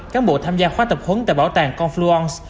cán bộ tham gia khoa tập huấn tại bảo tàng confluence